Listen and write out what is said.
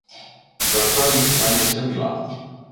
Bertoni va néixer a Milà.